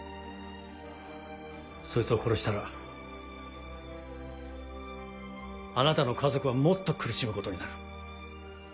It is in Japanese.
そいつを殺したらあなたの家族はもっと苦しむことになる。